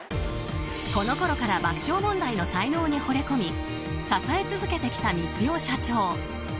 このころから爆笑問題の才能にほれ込み支え続けてきた光代社長。